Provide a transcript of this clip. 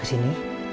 kita sendiri kan